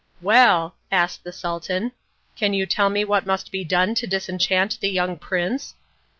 "Well," asked the Sultan, "can you tell me what must be done to disenchant the young prince?"